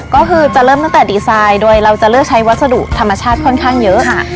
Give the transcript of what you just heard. ก็คือจะเริ่มตั้งแต่ดีไซน์โดยเราจะเลือกใช้วัสดุธรรมชาติค่อนข้างเยอะค่ะ